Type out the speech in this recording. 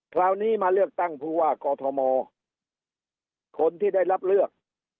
คราวนี้มาเลือกตั้งผู้ว่ากอทมคนที่ได้รับเลือก